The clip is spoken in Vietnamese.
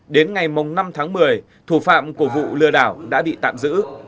đến ngày năm tháng một mươi thủ phạm của vụ lừa đảo đã bị tạm giữ